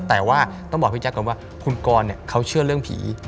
แต่ว่าต้องบอกพี่แจ๊คก่อนว่าคุณกรเขาเชื่อเรื่องผี